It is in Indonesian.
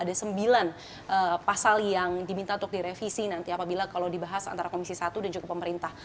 ada sembilan pasal yang diminta untuk direvisi nanti apabila kalau dibahas antara komisi satu dan juga pemerintah